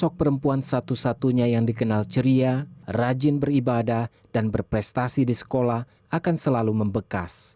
sosok perempuan satu satunya yang dikenal ceria rajin beribadah dan berprestasi di sekolah akan selalu membekas